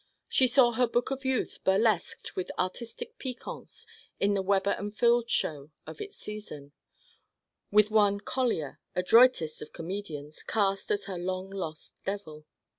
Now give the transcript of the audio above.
She saw her book of youth burlesqued with artistic piquance in the Weber and Fields show of its season (with one Collier, adroitest of comedians, cast as her long lost Devil).